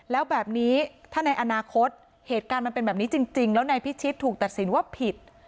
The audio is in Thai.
แล้วแบบนี้ถ้าในอนาคตเหตุการณ์มันเป็นแบบนี้จริงแล้วนายพิชิตถูกตัดสินว่าผิด